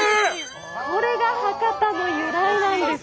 これが博多の由来なんです。